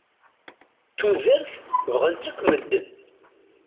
Tudert, bɣan-tt akk medden.